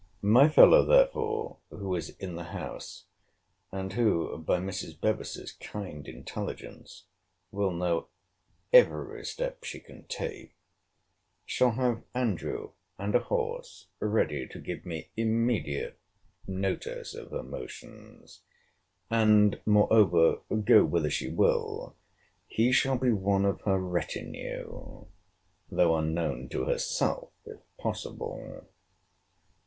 My fellow, therefore, who is in the house, and who, by Mrs. Bevis's kind intelligence, will know every step she can take, shall have Andrew and a horse ready, to give me immediate notice of her motions; and moreover, go whither she will, he shall be one of her retinue, though unknown to herself, if possible.